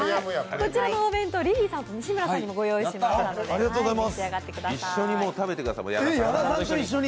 こちらのお弁当、リリーさんと西村さんにもご用意しましたので一緒に食べてください。